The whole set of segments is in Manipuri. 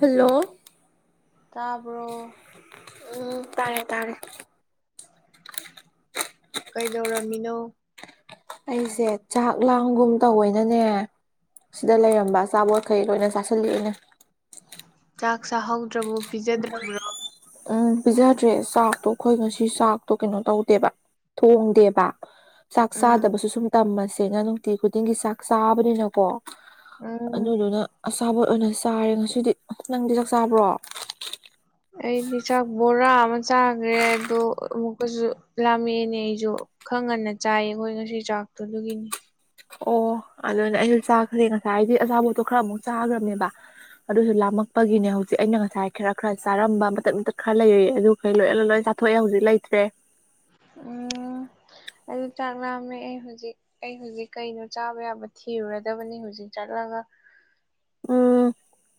ꯍꯜꯂꯣ ꯇꯥꯔꯕꯣ ꯎꯝ ꯇꯥꯔꯦ ꯇꯥꯔꯦ ꯀꯩꯗꯧꯔꯝꯃꯤꯅꯣ ꯑꯩꯁꯦ ꯆꯥꯛ ꯂꯥꯝꯒꯨꯝ ꯇꯧꯋꯦꯅꯅꯦ ꯁꯤꯗ ꯂꯩꯔꯝꯕ ꯑꯆꯥꯕꯣꯠ ꯈꯩ ꯂꯣꯏꯅ ꯆꯥꯁꯟꯔꯤ ꯑꯩꯅ ꯆꯥꯛ ꯆꯥꯍꯧ [unintelligible] ꯎꯝ ꯄꯤꯖꯗ꯭ꯔꯦ ꯆꯥꯛꯇꯣ ꯑꯈꯣꯏ ꯉꯁꯤ ꯆꯥꯛꯇꯣ ꯀꯩꯅꯣ ꯇꯧꯗꯦꯕ ꯊꯣꯡꯗꯦꯕ ꯆꯥꯛ ꯎꯝ ꯆꯥꯗꯕꯁꯨ ꯁꯨꯝ ꯇꯝꯃꯁꯦꯅ ꯅꯨꯡꯇꯤ ꯈꯨꯗꯤꯡꯒꯤ ꯆꯥꯛ ꯆꯥꯕꯅꯤꯅꯀꯣ ꯎꯝ ꯑꯗꯨꯗꯨꯅ ꯑꯆꯥꯕꯣꯠ ꯑꯣꯏꯅ ꯆꯥꯔꯦ ꯉꯁꯤꯗꯤ ꯅꯪꯗꯤ ꯆꯥꯛ ꯆꯥꯕ꯭ꯔꯣ ꯑꯩꯗꯤ ꯆꯥꯛ ꯕꯣꯔꯥ ꯑꯃ ꯆꯥꯈ꯭ꯔꯦ ꯑꯗꯨ ꯑꯃꯨꯛꯀꯖꯨ ꯂꯥꯝꯃꯦꯅꯦ ꯑꯩꯖꯨ ꯈꯔ ꯉꯟꯅ ꯆꯥꯏꯌꯦ ꯑꯩꯈꯣꯏ ꯉꯁꯤ ꯆꯥꯛꯇꯨ ꯑꯗꯨꯒꯤꯅꯤ ꯑꯣ ꯑꯗꯨꯅ ꯑꯩꯁꯨ ꯆꯥꯈ꯭ꯔꯦ ꯉꯁꯥꯏꯗꯤ ꯑꯆꯥꯄꯣꯠꯇꯣ ꯈꯔ ꯑꯃꯨꯛ ꯆꯥꯒꯔꯝꯅꯦꯕ ꯑꯗꯨꯁꯨ ꯂꯥꯝꯃꯛꯄꯒꯤꯅꯦ ꯍꯧꯖꯤꯛ ꯑꯩꯅ ꯉꯁꯥꯏ ꯈꯔ ꯈꯔ ꯆꯥꯔꯝꯕ ꯃꯇꯠ ꯃꯇꯠ ꯈꯔ ꯂꯩꯔꯌꯦ ꯑꯗꯨ ꯍꯂꯣꯏ ꯑꯂꯣꯏ ꯆꯥꯊꯣꯛꯑꯦ ꯍꯧꯖꯤꯛ ꯂꯩꯇ꯭ꯔꯦ ꯑꯥ ꯑꯩꯗꯨ ꯆꯥꯛ ꯂꯥꯝꯃꯛꯑꯦ ꯑꯩ ꯍꯨꯖꯤꯛ ꯑꯩ ꯍꯨꯖꯤꯛ ꯀꯩꯅꯣ ꯆꯥꯕ ꯌꯥꯕ ꯊꯤꯔꯨꯔꯗꯕꯅꯤ ꯍꯧꯖꯤꯛ ꯆꯠꯂꯒ ꯎꯝ [inaudible]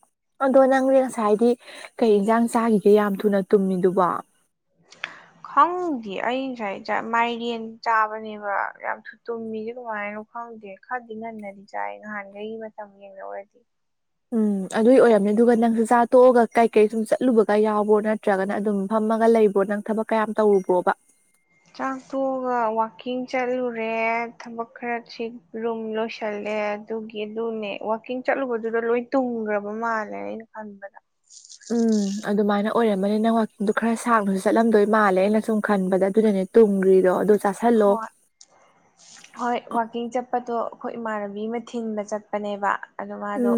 ꯑꯗꯣ ꯅꯪꯗꯤ ꯉꯁꯥꯏꯗꯤ ꯀꯩ ꯏꯟꯖꯥꯡ ꯆꯥꯒꯤꯒꯦ ꯌꯥꯝ ꯊꯨꯅ ꯇꯨꯝꯃꯤꯗꯨꯕꯣ [inaudible] ꯈꯪꯗꯦ ꯑꯩ ꯉꯁꯥꯏ ꯆꯥ ꯃꯥꯏꯔꯦꯟ ꯆꯥꯕꯅꯦꯕ ꯌꯥꯝ ꯊꯨ ꯇꯨꯝꯃꯤꯖꯦ ꯀꯃꯥꯏꯅꯅꯣ ꯈꯪꯗꯦ ꯈꯔꯗꯤ ꯉꯟꯅꯗꯤ ꯆꯥꯏ ꯉꯍꯥꯟꯒꯩ ꯃꯇꯝ ꯌꯦꯡꯅꯧꯔꯗꯤ ꯎꯝ ꯑꯗꯨꯏ ꯑꯣꯏꯔꯝꯅꯤ ꯑꯗꯨꯒ ꯅꯪꯁꯨ ꯆꯥ ꯇꯣꯛꯑꯒ ꯀꯥꯏ ꯀꯩ ꯁꯨꯝ ꯆꯠꯂꯨꯕꯒ ꯌꯥꯎꯕ꯭ꯔꯣ ꯅꯠꯇ꯭ꯔꯒꯅ ꯑꯗꯨꯝ ꯐꯝꯃꯒ ꯂꯩꯕ꯭ꯔꯣ ꯅꯪ ꯊꯕꯛ ꯀꯌꯥꯝ ꯇꯧꯔꯨꯕ꯭ꯔꯣꯕ ꯆꯥꯛꯇꯣꯛꯑꯒ ꯋꯥꯛꯀꯤꯡ ꯆꯠꯂꯨꯔꯦ ꯊꯕꯛ ꯈꯔ ꯊꯤ ꯔꯨꯝ ꯂꯣꯏꯁꯜꯂꯦ ꯑꯗꯨꯒꯤ ꯑꯗꯨꯅꯦ ꯋꯥꯀꯤꯡ ꯆꯠꯂꯨꯕꯗꯨꯗ ꯂꯣꯏ ꯇꯨꯡꯈ꯭ꯔꯕ ꯃꯥꯜꯂꯦ ꯑꯩꯅ ꯈꯟꯕꯗ ꯎꯝ ꯑꯗꯨꯃꯥꯏꯅ ꯑꯣꯏꯔꯝꯃꯅꯤ ꯅꯪ ꯋꯥꯛꯀꯤꯡꯗꯨ ꯈꯔ ꯁꯥꯡꯅꯁꯨ ꯆꯠꯂꯝꯗꯣꯏ ꯃꯥꯜꯂꯦ ꯑꯩꯅ ꯁꯨꯝ ꯈꯟꯕꯗ ꯑꯗꯨꯅꯅꯦ ꯇꯨꯝꯒ꯭ꯔꯤꯗꯣ ꯑꯗꯣ ꯆꯥꯥꯁꯜꯂꯣ ꯍꯣꯏ ꯍꯣꯏ ꯋꯥꯛꯀꯤꯡ ꯆꯠꯄꯗꯣ ꯑꯈꯣꯏ ꯏꯃꯥꯟꯅꯕꯤ ꯑꯃ ꯊꯤꯟꯕ ꯆꯠꯄꯅꯦꯕ ꯑꯗꯨ ꯃꯥꯗꯣ ꯎꯝ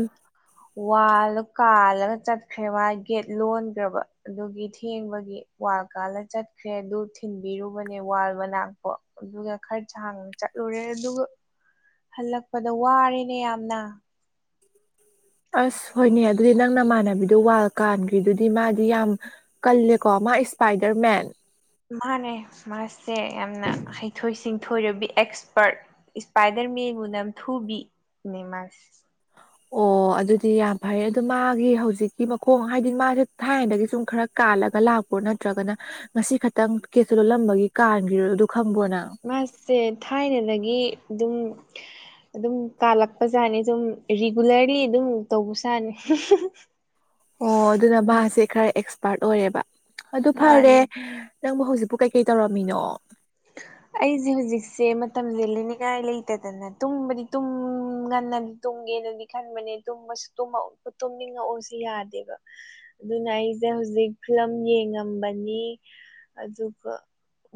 ꯋꯥꯜꯂꯣ ꯀꯥꯜꯂꯒ ꯆꯠꯈ꯭ꯔꯦ ꯃꯥꯏ ꯒꯦꯠ ꯂꯣꯟꯒ꯭ꯔꯕ ꯑꯗꯨꯒꯤ ꯊꯦꯡꯕꯒꯤ ꯋꯥꯜ ꯀꯥꯜꯂ ꯆꯠꯈ꯭ꯔꯦ ꯑꯗꯨ ꯊꯤꯟꯕꯤꯔꯨꯕꯅꯦ ꯋꯥ ꯃꯅꯥꯛꯄꯣ ꯑꯗꯨꯒ ꯈꯔ ꯁꯥꯡꯅ ꯆꯠꯂꯨꯔꯦ ꯑꯗꯨꯒ ꯍꯜꯂꯛꯄꯗ ꯋꯥꯔꯦꯅꯦ ꯌꯥꯝꯅ ꯑꯁ ꯍꯣꯏꯅꯦ ꯑꯗꯨꯗꯤ ꯅꯪ ꯅꯃꯥꯟꯅꯕꯤꯗꯣ ꯋꯥꯜ ꯀꯥꯟꯒ꯭ꯔꯤꯗꯨꯗꯤ ꯃꯥꯗꯤ ꯌꯥꯝ ꯀꯜꯂꯦꯀꯣ ꯃꯥ ꯏꯁꯄꯥꯏꯗꯔ ꯃꯦꯟ ꯃꯥꯅꯦ ꯃꯥꯁꯦ ꯌꯥꯝꯅ ꯍꯩꯊꯣꯏ ꯁꯤꯡꯊꯣꯏꯔꯕꯤ ꯑꯦꯛꯁꯄꯔꯠ ꯏꯁꯄꯥꯏꯗꯔ ꯃꯦꯟꯕꯨ ꯅꯝꯊꯨꯕꯤꯅꯦ ꯃꯥꯁꯦ ꯑꯣ ꯑꯗꯨꯗꯤ ꯌꯥꯝ ꯐꯔꯦ ꯑꯗꯣ ꯃꯥꯒꯤ ꯍꯧꯖꯤꯛꯀꯤ ꯃꯈꯣꯡ ꯍꯥꯏꯗꯤ ꯃꯥꯖꯦ ꯊꯥꯏꯅꯗꯒꯤ ꯁꯨꯝ ꯈꯔ ꯀꯥꯜꯂꯒ ꯂꯥꯛꯄ꯭ꯔꯣ ꯅꯠꯇ꯭ꯔꯒꯅ ꯉꯁꯤ ꯈꯛꯇꯪ ꯀꯦꯇꯣ ꯂꯣꯜꯂꯝꯕꯒꯤ ꯀꯥꯟꯒꯤꯔꯣ ꯑꯗꯨ ꯈꯪꯕ꯭ꯔꯣ ꯅꯪ ꯃꯥꯏꯁꯦ ꯊꯥꯏꯅꯗꯒꯤ ꯗꯨꯝ ꯑꯗꯨꯝ ꯀꯥꯜꯂꯛꯄꯖꯥꯠꯅꯤ ꯑꯗꯨꯝ ꯔꯤꯒꯨꯂꯔꯔꯤ ꯑꯗꯨꯝ ꯇꯧꯕꯆꯥꯅꯤ ꯑꯣ ꯑꯗꯨꯅ ꯃꯥꯁꯦ ꯈꯔ ꯑꯦꯛꯁꯄꯥꯔꯠ ꯑꯣꯏꯔꯦꯕ ꯑꯗꯨ ꯐꯔꯦ ꯃꯥꯅꯤ ꯅꯪꯕꯨ ꯍꯧꯖꯤꯛꯄꯨ ꯀꯩꯀꯩ ꯇꯧꯔꯝꯃꯤꯅꯣ [inaudible] ꯑꯩꯖꯦ ꯍꯣꯖꯤꯛꯁꯦ ꯃꯇꯝꯖꯦ ꯂꯦꯟꯅꯤꯡꯉꯥꯏ ꯂꯩꯇꯗꯅ ꯇꯨꯝꯕꯗꯤ ꯇꯨꯝ ꯉꯟꯅꯟ ꯇꯨꯝꯒꯦꯅꯗꯤ ꯈꯟꯕꯅꯦ ꯇꯨꯝꯕꯁ ꯇꯨꯝꯃꯧ ꯇꯨꯝꯅꯤꯉꯛ ꯑꯣꯁꯦ ꯌꯥꯗꯦꯕ ꯑꯗꯨꯅ ꯑꯩꯖꯦ ꯍꯧꯖꯤꯛ ꯐꯤꯂꯝ ꯌꯦꯡꯉꯝꯕꯅꯤ ꯑꯗꯨꯒ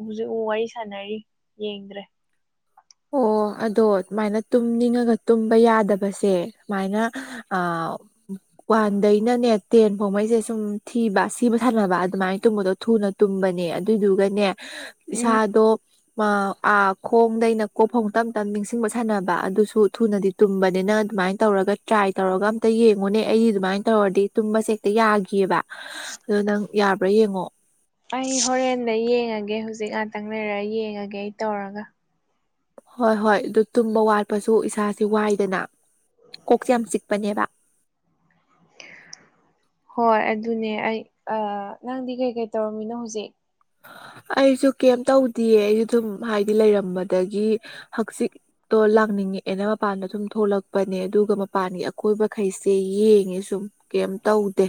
ꯍꯨꯖꯤꯛ ꯑꯃꯨꯛ ꯋꯥꯔꯤ ꯁꯥꯟꯅꯔꯤ ꯌꯦꯡꯗ꯭ꯔꯦ ꯑꯣ ꯑꯗꯣ ꯑꯗꯨꯨꯃꯥꯏꯅ ꯇꯨꯝꯅꯤꯡꯉꯒ ꯇꯨꯝꯕ ꯌꯥꯗꯕꯁꯦ ꯁꯨꯃꯥꯏꯅ ꯑꯥ ꯋꯥꯟꯗꯩꯅꯅꯦ ꯇꯦꯟ ꯐꯥꯎꯉꯩꯁꯦ ꯁꯨꯝ ꯊꯤꯕ ꯁꯤꯕ ꯁꯥꯟꯅꯕ ꯑꯗꯨꯃꯥꯏꯅ ꯇꯨꯝꯕꯗꯣ ꯊꯨꯅ ꯇꯨꯝꯕꯅꯦ ꯑꯗꯨꯗꯨꯒꯅꯦ ꯎꯝ ꯏꯁꯥꯗꯣ ꯃꯥ ꯑꯥ ꯈꯣꯡꯗꯩꯅ ꯀꯣꯛ ꯐꯧ ꯇꯝ ꯇꯝ ꯅꯤꯡꯁꯤꯡꯕ ꯁꯥꯟꯅꯕ ꯑꯗꯨꯁꯨ ꯊꯨꯅꯗꯤ ꯇꯨꯝꯕꯅꯤ ꯅ ꯑꯗꯨꯃꯥꯏꯅ ꯇꯧꯔꯒ ꯇ꯭ꯔꯥꯏ ꯇꯧꯔꯒ ꯑꯝꯇ ꯌꯦꯡꯉꯨꯅꯦ ꯑꯩꯗꯤ ꯑꯗꯨꯃꯥꯏꯅ ꯇꯧꯔꯗꯤ ꯇꯨꯝꯕꯁꯦ ꯍꯦꯛꯇ ꯌꯥꯈꯤꯑꯕ [unintelligible] ꯑꯗꯨ ꯅꯪ ꯌꯥꯕ꯭ꯔꯥ ꯌꯦꯡꯉꯣ ꯑꯩ ꯍꯣꯔꯦꯟꯗꯩ ꯌꯦꯡꯉꯒꯦ ꯍꯧꯖꯤꯛ ꯉꯥꯛꯇꯪ ꯂꯩꯔ ꯌꯦꯡꯉꯒꯦ ꯑꯩ ꯇꯧꯔꯒ ꯍꯣꯏ ꯍꯣꯏ ꯑꯗꯨ ꯇꯨꯝꯕ ꯋꯥꯠꯄꯁꯨ ꯏꯁꯥꯥꯁꯦ ꯋꯥꯏꯗꯅ ꯀꯣꯛꯁꯦ ꯌꯥꯝ ꯆꯤꯛꯄꯅꯦꯕ ꯍꯣꯏ ꯑꯗꯨꯅꯦ ꯑꯩ ꯑꯥ ꯅꯪꯗꯤ ꯀꯩ ꯀꯩ ꯇꯧꯔꯝꯃꯤꯅꯣ ꯍꯧꯖꯤꯛ ꯑꯩꯁꯨ ꯀꯩꯝ ꯇꯧꯗꯤꯌꯦ ꯑꯩꯁꯨ ꯑꯗꯨꯝ ꯍꯥꯏꯗꯤ ꯂꯩꯔꯝꯕꯗꯒꯤ ꯍꯛꯆꯤꯛ ꯇꯣ ꯂꯥꯡꯅꯤꯡꯉꯛꯑꯦꯅ ꯃꯄꯥꯟꯗ ꯗꯨꯝ ꯊꯣꯛꯂꯛꯄꯅꯦ ꯑꯗꯨꯒ ꯃꯄꯥꯟꯒꯤ ꯑꯀꯣꯏꯕꯈꯩꯁꯦ ꯌꯦꯡꯉꯦ ꯁꯨꯝ ꯀꯩꯝ ꯇꯧꯗꯦ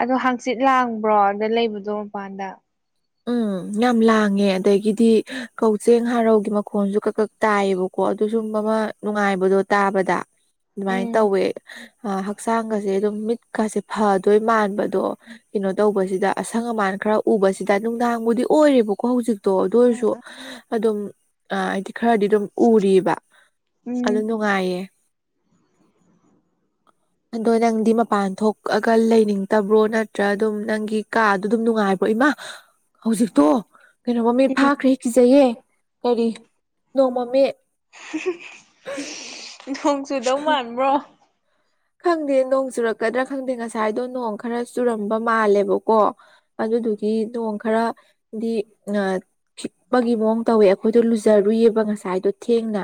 ꯑꯗꯣ ꯍꯥꯡꯆꯤꯠ ꯂꯥꯡꯕ꯭ꯔꯣ ꯑꯗ ꯂꯩꯕꯗꯣ ꯃꯄꯥꯟꯗ ꯎꯝ ꯌꯥꯝ ꯂꯥꯡꯉꯦ ꯑꯗꯒꯤꯗꯤ ꯀꯧꯖꯦꯡ ꯍꯥꯔꯧꯒꯤ ꯃꯈꯣꯟꯁꯨ ꯀꯛ ꯀꯛ ꯇꯥꯏꯌꯦꯕꯀꯣ ꯑꯗꯨ ꯁꯨꯝꯕ ꯑꯃ ꯅꯨꯡꯉꯥꯏꯕꯗꯣ ꯇꯥꯕꯗ ꯑꯗꯨꯃꯥꯏꯅ ꯎꯝ ꯇꯧꯋꯦ ꯍꯛꯆꯥꯡꯒꯁꯦ ꯑꯗꯨꯝ ꯃꯤꯠꯀꯁꯦ ꯐꯗꯣꯏ ꯃꯥꯟꯕꯗꯣ ꯀꯩꯅꯣ ꯇꯧꯕꯁꯤꯗ ꯑꯁꯪ ꯑꯃꯥꯟ ꯈꯔ ꯎꯕꯁꯤ ꯁꯤꯗ ꯅꯨꯡꯗꯥꯡꯕꯨꯗꯤ ꯑꯣꯏꯔꯦꯕꯀꯣ ꯍꯧꯖꯤꯛꯇꯣ ꯑꯗꯨ ꯎꯝ ꯑꯣꯏꯔꯁꯨ ꯑꯗꯨꯝ ꯑꯥ ꯍꯥꯏꯗꯤ ꯈꯔꯗꯤ ꯑꯗꯨꯝ ꯎꯔꯤꯕ ꯑꯗꯨ ꯎꯝ ꯅꯨꯡꯉꯥꯏꯌꯦ [unintelligible] ꯑꯗꯣ ꯅꯪꯗꯤ ꯃꯄꯥꯟ ꯊꯣꯛꯑꯒ ꯂꯩꯅꯤꯡꯗꯕ꯭ꯔꯣ ꯅꯠꯇ꯭ꯔ ꯑꯗꯨꯝ ꯅꯪꯒꯤ ꯀꯥꯗꯣ ꯑꯗꯨꯝ ꯅꯨꯡꯉꯥꯏꯕ꯭ꯔꯣ ꯏꯃꯥ ꯍꯧꯖꯤꯛꯇꯣ ꯀꯩꯅꯣ ꯃꯃꯤꯠ ꯐꯥꯈ꯭ꯔꯦ ꯀꯤꯖꯩꯌꯦ ꯀꯔꯤ ꯅꯣꯡ ꯃꯥꯃꯤꯠ [unintelligible] ꯅꯣꯡ ꯆꯨꯗꯧ ꯃꯥꯟꯕ꯭ꯔꯣ ꯈꯪꯗꯦ ꯅꯣꯡ ꯆꯨꯔꯛꯀꯗ꯭ꯔꯥ ꯈꯪꯗꯦ ꯉꯁꯥꯏꯗꯣ ꯅꯣꯡ ꯈꯔ ꯆꯨꯔꯝꯕ ꯃꯥꯜꯂꯦꯕꯀꯣ ꯑꯗꯨꯗꯨꯒꯤ ꯅꯣꯡ ꯈꯔ ꯗꯤ ꯑ ꯈꯤꯛꯄꯒꯤ ꯃꯑꯣꯡ ꯇꯧꯋꯦ ꯑꯩꯈꯣꯏꯗꯣ ꯂꯨꯖꯔꯨꯏꯌꯦꯕ ꯉꯁꯥꯏꯗꯣ ꯊꯦꯡꯅ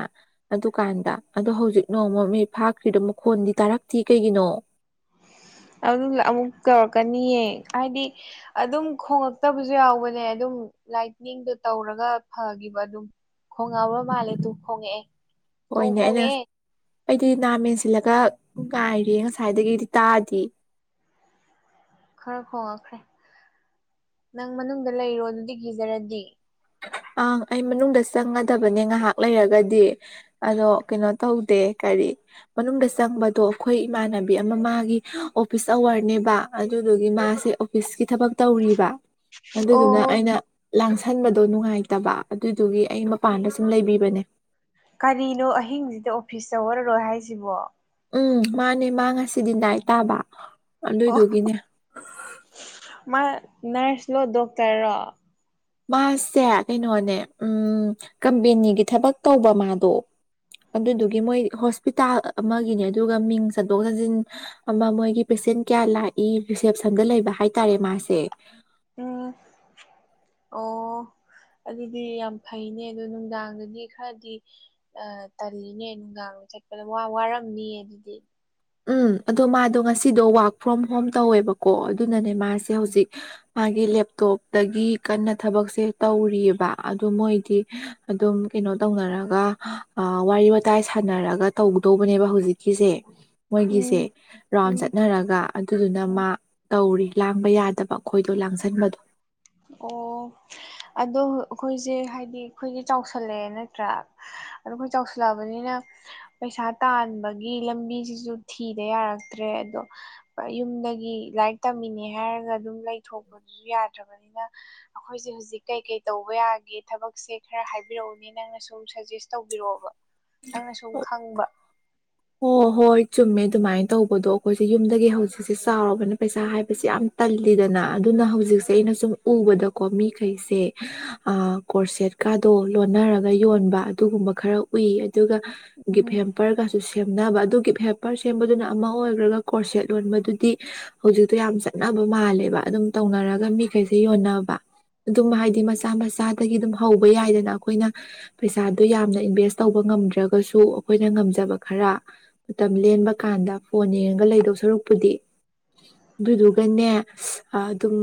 ꯑꯗꯨꯀꯥꯟꯗ ꯑꯗꯣ ꯍꯧꯖꯤꯛ ꯅꯣꯡꯃ ꯃꯤꯠ ꯐꯥꯈ꯭ꯔꯤꯗꯣ ꯃꯈꯣꯟꯗꯤ ꯇꯥꯔꯛꯇꯤꯌꯦ ꯀꯩꯒꯤꯅꯣ ꯑꯗꯨ ꯑꯃꯨꯛ ꯇꯧꯔꯛꯀꯅꯤꯌꯦ ꯍꯥꯏꯗꯤ ꯑꯗꯨꯝ ꯈꯣꯉꯛꯇꯕꯁꯨ ꯌꯥꯎꯕꯅꯦ ꯑꯗꯨꯝ ꯂꯥꯏꯠꯅꯤꯡꯗꯣ ꯇꯧꯔꯒ ꯐꯈꯤꯕ ꯑꯗꯨꯝ ꯈꯣꯡꯉꯛꯑꯕ꯭ꯔ ꯃꯥꯜꯂꯦ ꯇꯨ ꯈꯣꯡꯉꯛꯑꯦ ꯅꯣꯡ ꯍꯣꯏꯅꯦ ꯑꯩꯅ ꯈꯣꯡꯉꯛꯑꯦ ꯑꯩꯗꯤ ꯅꯥ ꯃꯦꯟꯁꯤꯜꯂꯒ ꯉꯥꯏꯔꯦ ꯉꯁꯥꯏꯗꯒꯤꯗꯤ ꯇꯥꯗꯤꯌꯦ ꯈꯔ ꯈꯣꯡꯉꯛꯈ꯭ꯔꯦ ꯅꯪ ꯃꯅꯨꯡꯗ ꯂꯩꯔꯣ ꯑꯗꯨꯗꯤ ꯀꯤꯖꯔꯗꯤ ꯑ ꯑꯩ ꯃꯅꯨꯡꯗ ꯆꯪꯒꯗꯕꯅꯦ ꯉꯥꯏꯍꯥꯛ ꯂꯩꯔꯒꯗꯤ ꯑꯗꯣ ꯀꯩꯅꯣ ꯇꯧ ꯗꯦ ꯀꯥꯔꯤ ꯃꯅꯨꯡꯗ ꯆꯪꯕꯗꯣ ꯑꯩꯈꯣꯏ ꯏꯃꯥꯟꯅꯕꯤ ꯑꯃ ꯃꯥꯒꯤ ꯑꯣꯐꯤꯁ ꯑꯋꯥꯔꯅꯦꯕ ꯑꯗꯨꯗꯨꯒꯤ ꯃꯥꯁꯦ ꯑꯣꯐꯤꯁꯀꯤ ꯊꯕꯛ ꯇꯧꯔꯤꯕ ꯑꯗꯨꯗꯨꯅ ꯑꯣ ꯑꯩꯅ ꯂꯥꯡꯁꯟꯕ ꯗꯣ ꯅꯨꯡꯉꯥꯏꯇꯕ ꯑꯗꯨꯏꯗꯨꯒꯤ ꯑꯩ ꯃꯄꯥꯟꯗ ꯁꯨꯝ ꯂꯩꯕꯤꯕꯅꯦ ꯀꯔꯤꯅꯣ ꯑꯍꯤꯡꯁꯤꯗ ꯑꯣꯐꯤꯁ ꯑꯋꯔꯔꯣ ꯍꯥꯏꯁꯤꯕꯣ ꯎꯝ ꯃꯥꯅꯦ ꯃꯥ ꯉꯁꯤꯗꯤ ꯅꯥꯏꯠ ꯇꯥꯕ ꯑꯣ ꯑꯗꯨꯏꯗꯨꯒꯤꯅꯦ ꯃꯥ ꯅꯔꯁ ꯂꯣ ꯗꯣꯛꯇꯔꯔꯣ ꯃꯥꯁꯦ ꯀꯩꯅꯣꯅꯦ ꯎꯝ ꯀꯝꯄꯦꯅꯤꯒꯤ ꯊꯕꯛ ꯇꯧꯕ ꯃꯥꯗꯣ ꯑꯗꯨꯗꯨꯒꯤ ꯃꯣꯏ ꯍꯣꯁꯄꯤꯇꯥꯜ ꯑꯃꯒꯤꯅꯦ ꯑꯗꯨꯒ ꯃꯤꯡ ꯆꯟꯊꯣꯛ ꯆꯟꯁꯤꯟ ꯑꯃ ꯃꯣꯏꯒꯤ ꯄꯦꯁꯦꯟ ꯀꯌꯥ ꯂꯥꯛꯏ ꯔꯤꯁꯦꯞꯁꯟꯗ ꯂꯩꯕ ꯍꯥꯏꯇꯥꯔꯦ ꯃꯥꯁꯦ ꯎꯝ ꯑꯣ ꯑꯗꯨꯗꯤ ꯌꯥꯝ ꯐꯩꯅꯦ ꯑꯗꯨ ꯅꯨꯡꯗꯥꯡꯗꯗꯤ ꯈꯔꯗꯤ ꯑ ꯇꯜꯂꯤꯅꯦ ꯅꯨꯡꯗꯥꯡ ꯆꯠꯄꯗ ꯋꯥ ꯋꯥꯔꯝꯅꯤꯌꯦ ꯑꯗꯨꯗꯤ ꯎꯝ ꯑꯗꯣ ꯃꯥꯗꯣ ꯉꯁꯤꯗꯣ ꯋꯥꯔꯛ ꯐ꯭ꯔꯣꯝ ꯍꯣꯝ ꯇꯧꯋꯦꯕꯀꯣ ꯑꯗꯨꯅꯅꯦ ꯃꯥꯁꯦ ꯍꯧꯖꯤꯛ ꯃꯥꯒꯤ ꯂꯦꯞꯇꯣꯞꯇꯒꯤ ꯀꯟꯅ ꯊꯕꯛꯁꯦ ꯇꯧꯔꯤꯑꯕ ꯑꯗꯨ ꯃꯣꯏꯗꯤ ꯑꯗꯨꯝ ꯀꯩꯅꯣ ꯇꯧꯅꯔꯒ ꯋꯥꯔꯤ ꯋꯥꯇꯥꯏ ꯁꯥꯟꯅꯔꯒ ꯇꯧꯗꯧꯕꯅꯦꯕ ꯍꯧꯖꯤꯛꯀꯤꯁꯦ ꯃꯣꯏꯒꯤꯁꯦ ꯎꯝ ꯔꯥꯎꯟ ꯎꯝ ꯆꯠꯅꯔꯒ ꯑꯗꯨꯗꯨꯅ ꯃꯥ ꯇꯧꯔꯤ ꯂꯥꯡꯕ ꯌꯥꯗꯕ ꯑꯩꯈꯣꯏꯗꯣ ꯂꯥꯡꯁꯟꯕꯗꯣ ꯑꯣ ꯑꯗꯣ ꯑꯩꯈꯣꯏꯁꯦ ꯍꯥꯏꯗꯤ ꯑꯩꯈꯣꯏꯗꯤ ꯆꯥꯎꯁꯜꯂꯛꯑꯦ ꯅꯠꯇ꯭ꯔꯥ ꯑꯩꯈꯣꯏ ꯆꯥꯎꯁꯤꯜꯂꯛꯑꯕꯅꯤꯅ ꯄꯩꯁꯥ ꯇꯥꯟꯕꯒꯤ ꯂꯝꯕꯤꯁꯤꯁꯨ ꯊꯤꯗ ꯌꯥꯔꯛꯇ꯭ꯔꯦ ꯑꯗꯣ ꯌꯨꯝꯗꯒꯤ ꯂꯥꯏꯔꯤꯛ ꯇꯝꯃꯤꯅꯦ ꯍꯥꯏꯔꯒ ꯑꯗꯨꯝ ꯂꯩꯊꯣꯛꯄꯗꯨꯁꯨ ꯌꯥꯗ꯭ꯔꯕꯅꯤꯅ ꯑꯩꯈꯣꯏꯁꯦ ꯍꯧꯖꯤꯛ ꯀꯩꯀꯩ ꯇꯧꯕ ꯌꯥꯒꯦ ꯊꯕꯛꯁꯦ ꯈꯔ ꯍꯥꯏꯕꯤꯔꯛꯎꯅꯦ ꯅꯪꯅ ꯁꯨꯝ ꯁꯖꯦꯁ ꯇꯧꯕꯤꯔꯛꯑꯣꯕ ꯅꯪꯅ ꯁꯨꯝ ꯈꯪꯕ ꯍꯣ ꯍꯣꯏ ꯆꯨꯝꯃꯦ ꯑꯗꯨꯃꯥꯏꯅ ꯇꯧꯕꯗꯣ ꯑꯩꯈꯣꯏꯁꯦ ꯌꯨꯝꯗꯒꯤ ꯍꯧꯖꯤꯛꯁꯦ ꯆꯥꯎꯔꯕꯅꯤ ꯄꯩꯁꯥ ꯍꯥꯏꯁꯦ ꯌꯥꯝ ꯇꯜꯂꯤꯗꯅ ꯑꯗꯨꯅ ꯍꯧꯖꯤꯛꯁꯦ ꯑꯩꯅ ꯁꯨꯝ ꯎꯕꯗꯀꯣ ꯃꯤꯈꯩꯁꯦ ꯑ ꯀꯣꯔꯁꯦꯠꯀꯥꯗꯣ ꯂꯣꯟꯅꯔꯒ ꯌꯣꯟꯕ ꯑꯗꯨꯒꯨꯝꯕ ꯈꯔ ꯎꯏ ꯑꯗꯨꯒ ꯒꯤꯞ ꯎꯝ ꯍꯦꯝꯄꯔꯒꯁꯨ ꯁꯦꯝꯅꯕ ꯑꯗꯨ ꯒꯤꯞ ꯍꯦꯝꯄꯔ ꯁꯦꯝꯕꯗꯨꯅ ꯑꯃ ꯑꯣꯏꯈ꯭ꯔꯒ ꯀꯣꯔꯁꯦꯠ ꯂꯣꯟꯕꯗꯨꯗꯤ ꯍꯧꯖꯤꯛꯇꯣ ꯌꯥꯝ ꯆꯠꯅꯕ ꯃꯥꯜꯂꯦꯕ ꯑꯗꯨꯝ ꯇꯧꯅꯔꯒ ꯃꯤꯈꯩꯁꯦ ꯌꯣꯟꯅꯕ ꯑꯗꯨꯝ ꯍꯥꯏꯗꯤ ꯃꯆꯥ ꯃꯆꯥꯗꯒꯤ ꯑꯗꯨꯝ ꯍꯧꯕ ꯌꯥꯏꯗꯅ ꯑꯩꯈꯣꯏꯅ ꯄꯩꯁꯥꯗꯨꯣ ꯌꯥꯝꯅ ꯏꯟꯚꯦꯁ ꯇꯧꯕ ꯉꯝꯗ꯭ꯔꯒꯁꯨ ꯑꯩꯈꯣꯏꯅ ꯉꯝꯖꯕ ꯈꯔ ꯃꯇꯝ ꯂꯦꯟꯕ ꯀꯥꯟꯗ ꯐꯣꯟ ꯌꯦꯡꯉꯒ ꯂꯩꯗꯧ ꯁꯔꯨꯛꯄꯨꯗꯤ ꯑꯗꯨꯗꯨꯒꯅꯦ ꯑꯗꯨꯝ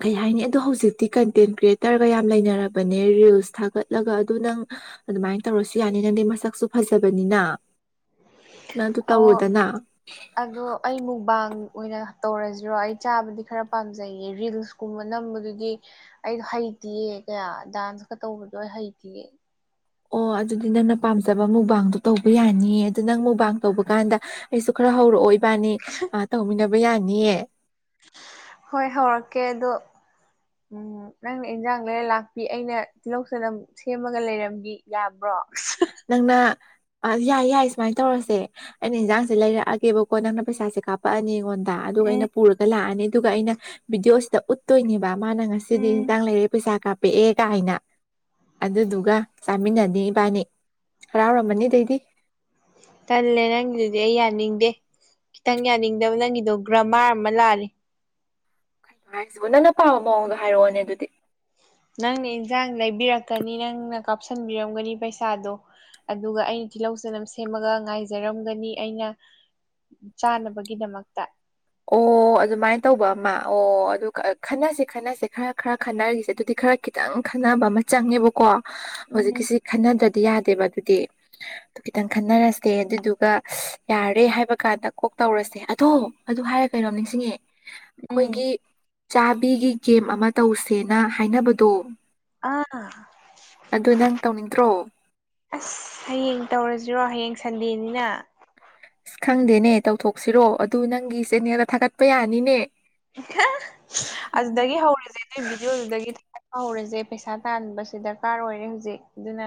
ꯀꯩ ꯍꯥꯏꯅꯤ ꯑꯗꯣ ꯍꯧꯖꯤꯛ ꯗꯤ ꯀꯟꯇꯦꯟ ꯀ꯭ꯔꯤꯌꯦꯇꯔꯒ ꯌꯥꯝ ꯂꯩꯅꯔꯕꯅꯦ ꯔꯤꯜꯁ ꯊꯥꯒꯠꯂꯒ ꯑꯗꯨ ꯅꯪ ꯑꯗꯨꯃꯥꯏꯅ ꯇꯧꯔꯁꯨ ꯌꯥꯅꯤ ꯅꯪꯗꯤ ꯃꯁꯛꯁꯨ ꯐꯖꯕꯅꯤꯅ ꯅꯪ ꯑꯗꯨ ꯑꯣ ꯇꯧꯔꯣꯗꯅ ꯑꯗꯣ ꯑꯩ ꯃꯨꯛꯕꯥꯡ ꯑꯣꯏꯅ ꯇꯧꯔꯁꯤꯔꯣ ꯑꯩ ꯆꯥꯕꯗꯤ ꯈꯔ ꯄꯥꯝꯖꯩꯌꯦ ꯔꯤꯜꯁ ꯀꯨꯝꯕ ꯅꯝꯕꯗꯨꯒꯤ ꯑꯩꯗꯣ ꯍꯩꯇꯦꯌꯦ ꯀꯌꯥ ꯗꯥꯟꯁꯀ ꯇꯧꯕꯗꯣ ꯑꯩ ꯍꯩꯇꯦꯌꯦ ꯑꯣ ꯑꯗꯨꯗꯤ ꯅꯪꯅ ꯄꯥꯝꯖꯕ ꯃꯨꯕꯥꯡꯗꯣ ꯇꯧꯕ ꯌꯥꯅꯤꯌꯦ ꯑꯗꯨ ꯅꯪ ꯃꯨꯕꯥꯡ ꯇꯧꯕ ꯀꯥꯟꯗ ꯑꯩꯁꯨ ꯈꯔ ꯍꯧꯔꯛꯑꯣꯏ ꯏꯕꯥꯅꯤ ꯇꯧꯃꯤꯟꯅꯕ ꯌꯥꯅꯤꯌꯦ ꯍꯣꯏ ꯍꯧꯔꯛꯀꯦ ꯑꯗꯣ ꯎꯝ ꯅꯪꯅ ꯏꯟꯖꯥꯡ ꯂꯩꯔ ꯂꯥꯛꯄꯤ ꯑꯩꯅ ꯇꯤꯜꯍꯧ ꯆꯥꯅꯝ ꯁꯦꯝꯃꯒ ꯂꯩꯔꯝꯕꯤ ꯌꯥꯕ꯭ꯔꯣ ꯅꯪꯅ ꯌꯥꯏ ꯌꯥꯏ ꯁꯨꯃꯥꯏꯅ ꯇꯧꯔꯁꯦ ꯑꯩꯅ ꯏꯟꯖꯥꯡꯁꯦ ꯂꯩꯔꯛꯑꯒꯦꯕꯀꯣ ꯅꯪꯅ ꯄꯩꯁꯥꯁꯦ ꯀꯥꯞ ꯄꯛꯑꯅꯤ ꯑꯩꯉꯣꯟꯗ ꯑꯗꯨꯒ ꯎꯝ ꯑꯩꯅ ꯄꯨꯔꯒ ꯂꯥꯛꯑꯅꯤ ꯑꯗꯨꯒ ꯑꯩꯅ ꯚꯤꯗꯤꯑꯣꯁꯤꯗ ꯎꯠꯇꯣꯏꯅꯦꯕ ꯃꯥꯅ ꯉꯁꯤꯗꯤ ꯎꯝ ꯏꯟꯖꯥꯡ ꯂꯩꯔꯛꯑꯦ ꯄꯩꯁꯥ ꯀꯥꯞꯄꯛꯑꯦ ꯀꯥꯏꯅ ꯑꯗꯨꯗꯨꯒ ꯆꯥꯃꯤꯟꯅꯅꯤ ꯏꯕꯥꯅꯤ ꯍꯔꯥꯎꯔꯝꯃꯅꯤ ꯑꯗꯩꯗꯤ ꯇꯜꯂꯦ ꯅꯪꯒꯤꯗꯨꯗꯤ ꯑꯩ ꯌꯥꯅꯤꯡꯗꯦ ꯈꯤꯇꯪ ꯌꯥꯅꯤꯡꯗꯕ ꯅꯪꯒꯤꯗꯣ ꯒ꯭ꯔꯃꯥꯔ ꯑꯃ ꯂꯥꯜꯂꯦ ꯍꯥꯏꯁꯤꯕꯨ ꯅꯪꯅ ꯄꯥꯕ ꯃꯑꯣꯡꯗꯣ ꯍꯥꯏꯔꯛꯑꯣꯅꯦ ꯑꯗꯨꯗꯤ ꯅꯪꯅ ꯏꯟꯖꯥꯡ ꯂꯩꯕꯤꯔꯛꯀꯅꯤ ꯅꯪꯅ ꯀꯥꯞꯁꯤꯟꯕꯤꯔꯝꯒꯅꯤ ꯄꯩꯁꯥꯗꯣ ꯑꯗꯨꯒ ꯑꯩꯅ ꯇꯤꯜꯍꯧ ꯆꯅꯝ ꯁꯦꯝꯃꯒ ꯉꯥꯏꯖꯔꯝꯒꯅꯤ ꯑꯩꯅ ꯆꯥꯅꯕꯒꯤꯗꯃꯛꯇ ꯑꯣ ꯑꯗꯨꯃꯥꯏꯅ ꯇꯧꯕ ꯑꯃ ꯑꯣ ꯑꯗꯨ ꯈꯟꯅꯁꯤ ꯈꯟꯅꯁꯤ ꯈꯔ ꯈꯔ ꯈꯟꯅꯔꯤꯁꯦ ꯑꯗꯨꯗꯤ ꯈꯔ ꯈꯤꯇꯪ ꯈꯟꯅꯕ ꯑꯃ ꯆꯪꯉꯦꯕꯀꯣ ꯎꯝ ꯍꯧꯖꯤꯛꯀꯤꯁꯤ ꯈꯟꯅꯗ꯭ꯔꯗꯤ ꯌꯥꯗꯦꯕ ꯑꯗꯨꯗꯤ ꯑꯗꯨ ꯈꯤꯇꯪ ꯈꯟꯅꯔꯁꯦ ꯑꯗꯨꯗꯨꯒ ꯌꯥꯔꯦ ꯍꯥꯏꯕꯀꯥꯟꯗ ꯀꯣꯛ ꯇꯧꯔꯁꯦ ꯑꯗꯣ ꯍꯥꯏꯔꯦ ꯀꯩꯅꯣꯝ ꯅꯤꯡꯁꯤꯡꯉꯦ ꯎꯝ ꯑꯩꯈꯣꯏꯒꯤ ꯆꯥꯕꯤꯒꯤ ꯒꯦꯝ ꯑꯃ ꯇꯧꯁꯦ ꯁꯦꯅ ꯍꯥꯏꯅꯕꯗꯣ ꯑꯥ ꯑꯗꯨ ꯅꯪ ꯇꯧꯅꯤꯡꯗ꯭ꯔꯣ ꯑꯁ ꯍꯌꯦꯡ ꯇꯧꯔꯁꯤꯔꯣ ꯍꯌꯦꯡ ꯁꯟꯗꯦꯅꯤꯅ ꯑꯁ ꯈꯪꯗꯦꯅꯦ ꯇꯧꯊꯣꯛꯁꯤꯔꯣ ꯑꯗꯨ ꯅꯪꯒꯤ ꯆꯦꯅꯦꯜꯗ ꯊꯥꯒꯠꯄ ꯌꯥꯅꯤꯅꯦ [inaudible] ꯑꯗꯨꯗꯒꯤ ꯍꯧꯔ‌ꯦꯁꯦ ꯅꯣꯏ ꯚꯤꯗꯤꯑꯣꯗꯨꯗꯒꯤ ꯊꯥꯒꯠꯄ ꯍꯧꯔꯁꯦ ꯄꯩꯁꯥ ꯇꯥꯟꯕꯁꯦ ꯗꯔꯀꯥꯔ ꯑꯣꯏꯔꯦ ꯍꯧꯖꯤꯛ ꯑꯗꯨꯅ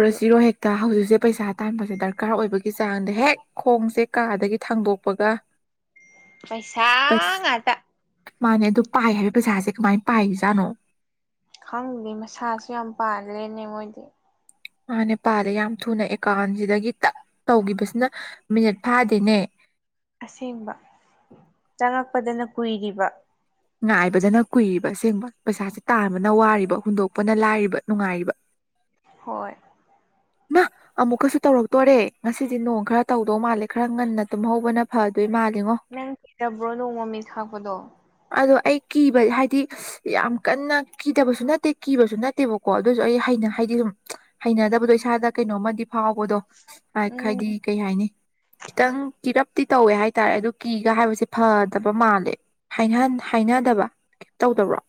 ꯑꯗꯨ ꯍꯦꯛ ꯍꯧꯖꯤꯛꯁꯦ ꯄꯩꯁꯥ ꯇꯥꯟꯕꯁꯦ ꯗꯔꯀꯥꯔ ꯑꯣꯏꯕꯒꯤ ꯆꯥꯡꯗ ꯍꯦꯛ ꯈꯣꯡꯁꯦ ꯀꯥꯗꯒꯤ ꯊꯥꯡꯗꯣꯛꯄꯒ ꯄꯩꯁꯥ ꯉꯥꯛꯇ ꯃꯥꯅꯦ ꯑꯗꯨ ꯄꯥꯏ ꯍꯥꯏꯕ ꯄꯩꯁꯥꯁꯦ ꯀꯃꯥꯏꯅ ꯄꯥꯏꯔꯤꯖꯥꯠꯅꯣ ꯈꯪꯗꯦ ꯃꯁꯥꯁꯨ ꯌꯥꯝ ꯄꯥꯜꯂ‌ꯦꯅꯦ ꯃꯣꯏꯗꯤ ꯃꯥꯅꯦꯄꯥꯜꯂ‌ꯦ ꯌꯥꯝ ꯊꯨꯅ ꯑꯦꯀꯥꯎꯟꯖꯤꯗꯒꯤ ꯇꯛ ꯇꯧꯈꯤꯕꯁꯤꯅ ꯃꯤꯅꯤꯠ ꯐꯥꯗꯦꯅꯦ ꯑꯁꯦꯡꯕ ꯆꯪꯉꯛꯄꯗꯅ ꯀꯨꯏꯔꯤꯕ ꯉꯥꯏꯕꯗꯅ ꯀꯨꯏꯔꯤꯕ ꯑꯁꯦꯡꯕ ꯄꯩꯁꯥꯁꯦ ꯇꯥꯟꯕꯅ ꯋꯥꯔꯤꯕ ꯍꯨꯟꯗꯣꯛꯄꯅ ꯂꯥꯏꯔꯤꯕ ꯅꯨꯡꯉꯥꯏꯔꯤꯕ ꯍꯣꯏ ꯑꯃꯨꯛꯀꯁꯨ ꯇꯧꯔꯛꯇꯣꯔꯦ ꯉꯁꯤꯗꯤ ꯅꯣꯡ ꯈꯔ ꯇꯧꯗꯧ ꯃꯥꯜꯂꯦ ꯈꯔ ꯉꯟꯅ ꯇꯨꯝꯍꯧꯕꯅ ꯐꯗꯣꯏ ꯃꯥꯜꯂꯤꯉꯣ ꯅꯪ ꯀꯤꯖꯕ꯭ꯔ‌ꯣ ꯅꯣꯡ ꯃꯃꯤꯠ ꯈꯥꯛꯄꯗꯣ ꯑꯗꯣ ꯑꯩ ꯀꯤꯕꯗꯤ ꯍꯥꯏꯗꯤ ꯌꯥꯝ ꯀꯟꯅ ꯀꯤꯗꯕꯁꯨ ꯅꯠꯇꯦ ꯀꯤꯕꯁꯨ ꯅꯠꯇꯦꯕꯀꯣ ꯑꯗꯨꯁꯨ ꯑꯩ ꯍꯥꯏꯅ ꯍꯥꯏꯗꯤ ꯁꯨꯝ ꯍꯩꯅꯗꯕꯗꯣ ꯏꯁꯥꯗ ꯀꯩꯅꯣꯝꯃꯗꯤ ꯐꯥꯎꯕꯗꯣ ꯎꯝ ꯍꯥꯏꯗꯤ ꯀꯩ ꯍꯥꯏꯅꯤ ꯈꯤꯇꯪ ꯀꯤꯔꯞꯇꯤ ꯇꯧꯋꯦ ꯍꯥꯏꯇꯥꯔꯦ ꯑꯗꯨ ꯀꯤꯒ ꯍꯥꯏꯕꯁꯦ ꯐꯗꯕ ꯃꯥꯜꯂꯦ ꯍꯥꯏꯅꯍꯟ ꯍꯥꯏꯅꯗꯕ ꯇꯧꯗꯕ꯭ꯔꯣ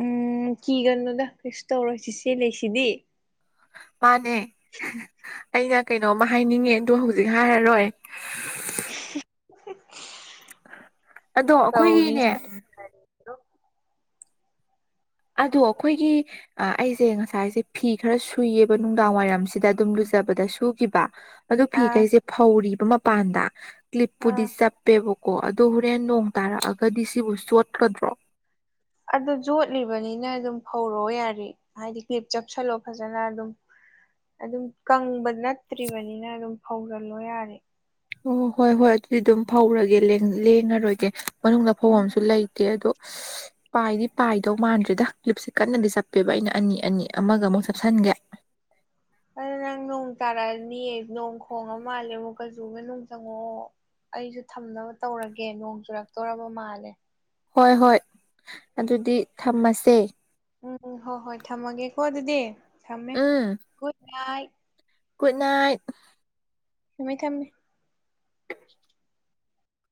ꯎꯝ ꯀꯤꯒꯅꯨꯗ ꯀꯩꯁꯨ ꯇꯧꯔ‌ꯣꯏ ꯆꯤꯆꯦ ꯂꯩꯁꯤꯗꯤ ꯃꯥꯅꯦ ꯑꯩꯅ ꯀꯩꯅꯣꯝꯃ ꯍꯥꯏꯅꯤꯡꯉꯦ ꯗ‌ꯣ ꯍꯧꯖꯤꯛ ꯍꯥꯏꯔꯔꯣꯏ ꯑꯗꯣ ꯑꯩꯈꯣꯏꯒꯤꯅꯦ ꯇꯧꯔꯤꯁꯦ ꯑꯗꯣ ꯑꯩꯈꯣꯏꯒꯤ ꯑꯥ ꯑꯩꯁꯦ ꯉꯁꯥꯏꯁꯦ ꯐꯤ ꯈꯔ ꯁꯨꯏꯌꯦꯕ ꯅꯨꯡꯗꯥꯡ ꯋꯥꯏꯔꯝꯁꯤꯗ ꯑꯗꯨꯝ ꯂꯨꯖꯕꯗ ꯁꯨꯈꯤꯕ ꯑꯗꯨ ꯑꯥ ꯐꯤꯈꯩꯁꯦ ꯐꯧꯔꯤꯕ ꯃꯄꯥꯟꯗ ꯀ꯭ꯂꯤꯞꯄꯨꯗꯤ ꯑꯥ ꯆꯞ ꯄꯦꯕꯀꯣ ꯑꯗꯣ ꯍꯣꯔꯦꯟ ꯅꯣꯡ ꯇꯥꯔꯛꯑꯒꯗꯤ ꯁꯤꯕꯨ ꯆꯣꯠꯀꯗ꯭ꯔꯣ ꯑꯗꯨ ꯆ‌ꯣꯠꯂꯤꯕꯅꯤꯅ ꯑꯗꯨꯝ ꯐꯧꯔ‌ꯣ ꯌꯥꯔꯦ ꯍꯥꯏꯗꯤ ꯀ꯭ꯂꯤꯞ ꯆꯞꯁꯜꯂꯣ ꯐꯖꯅ ꯑꯗꯨꯝ ꯑꯗꯨꯝ ꯀꯪꯕ ꯅꯠꯇ꯭ꯔꯤꯕꯅꯤꯅ ꯑꯗꯨꯝ ꯐꯧꯖꯤꯜꯂꯣ ꯌꯥꯔꯦ ꯑꯣ ꯍꯣꯏ ꯍꯣꯏ ꯑꯗꯨꯗꯤ ꯑꯗꯨꯝ ꯐꯧꯔꯒꯦ ꯂꯦꯡꯉꯔꯣꯏꯒꯦ ꯃꯅꯨꯡꯗ ꯐꯧꯕꯝꯁꯨ ꯂꯩꯇꯦ ꯑꯗꯣ ꯄꯥꯏꯗꯤ ꯄꯥꯏꯗꯧ ꯃꯥꯟꯗ꯭ꯔꯦꯗ ꯀ꯭ꯂꯤꯞꯁꯤ ꯀꯟꯅꯗꯤ ꯆꯠꯄꯦꯕ ꯑꯩꯅ ꯑꯅꯤ ꯑꯅꯤ ꯑꯃꯒ ꯑꯃꯨꯛ ꯆꯞꯁꯤꯟꯒꯦ ꯑꯗꯨ ꯅꯪ ꯅꯣꯡ ꯇꯥꯔꯛꯑꯅꯤꯌꯦ ꯅꯣꯡ ꯈꯣꯡꯉ ꯃꯥꯜꯂꯦ ꯑꯃꯨꯛꯖꯨ ꯃꯅꯨꯡ ꯆꯪꯉꯛꯑꯣ ꯑꯩꯖꯨ ꯊꯝꯅꯕ ꯇꯧꯔꯒꯦ ꯅꯣꯡ ꯆꯨꯔꯛꯇꯧꯔꯕ ꯃꯥꯜꯂꯦ ꯍꯣꯏ-ꯍꯣꯏ ꯑꯗꯨꯗꯤ ꯊꯝꯃꯥꯁꯦ ꯎꯝ ꯍꯣꯏ-ꯍꯣꯏ ꯊꯝꯃꯒꯦꯀꯣ ꯑꯗꯨꯗꯤ ꯊꯝꯃꯦ ꯎꯝ ꯒꯨꯗ ꯅꯥꯏꯠ ꯒꯨꯗ ꯅꯥꯏꯠ ꯊꯝꯃꯦ-ꯊꯝꯃꯦ